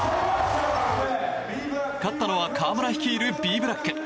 勝ったのは河村率いるＢ．ＢＬＡＣＫ。